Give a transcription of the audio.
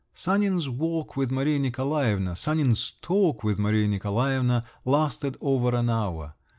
Sanin's walk with Maria Nikolaevna, Sanin's talk with Maria Nikolaevna lasted over an hour.